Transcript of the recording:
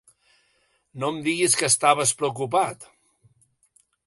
No em diguis que estaves preocupat!